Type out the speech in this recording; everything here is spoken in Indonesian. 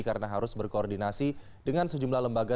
karena harus berkoordinasi dengan sejumlah lembaga